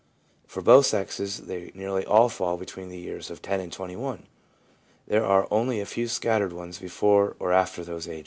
For both sexes they nearly all fall between the years 10 and 21. There are only a few scattered ones before or after those ages.